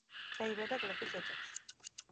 დაიბადა გლეხის ოჯახში.